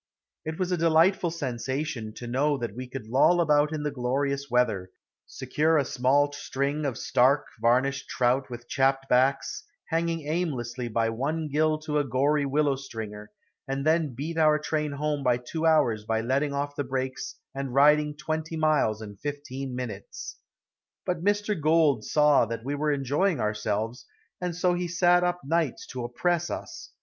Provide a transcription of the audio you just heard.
It was a delightful sensation to know that we could loll about in the glorious weather, secure a small string of stark, varnished trout with chapped backs, hanging aimlessly by one gill to a gory willow stringer, and then beat our train home by two hours by letting off the brakes and riding twenty miles in fifteen minutes. But Mr. Gould saw that we were enjoying ourselves, and so he sat up nights to oppress us.